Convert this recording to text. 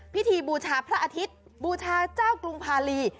บูชาพระอาทิตย์บูชาเจ้ากรุงพาลี